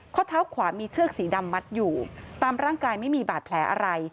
ข้อเท้าขวามีเชือกสีดำมัดอยู่ตามร่างกายไม่มีบาดแผลอะไร